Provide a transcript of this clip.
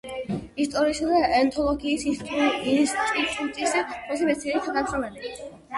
ისტორიისა და ეთნოლოგიის ინსტიტუტის უფროსი მეცნიერი თანამშრომელი.